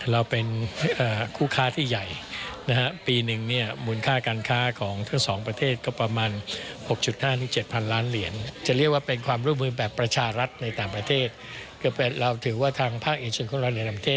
ด้วยในงานสัมพนาณ์เมียนมาร์อินไซต์